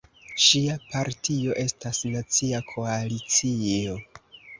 Ŝia partio estas Nacia Koalicio.